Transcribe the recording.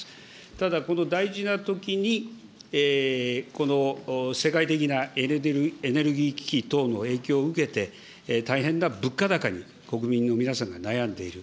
ただ、この大事なときに、この世界的なエネルギー危機等の影響を受けて、大変な物価高に、国民の皆さんが悩んでいる。